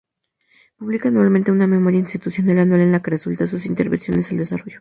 Publica anualmente una Memoria Institucional Anual en la que resalta sus intervenciones al desarrollo.